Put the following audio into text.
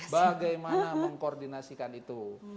bagaimana mengkoordinasikan itu